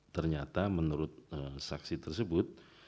ternyata menurut saksi tersebut